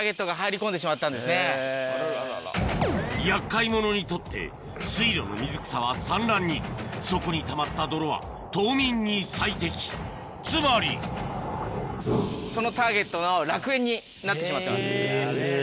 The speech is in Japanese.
厄介者にとって水路の水草は産卵に底にたまった泥は冬眠に最適つまりそのターゲットの楽園になってしまってます。